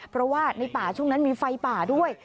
เพราะว่าในป่าช่วงนั้นมีไฟป่าด้วย